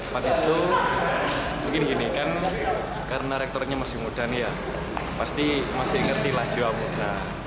pada itu mungkin gini kan karena rektornya masih muda nih ya pasti masih ngerti lah jiwa muda